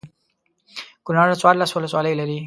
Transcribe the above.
کنړ څوارلس ولسوالۍ لري.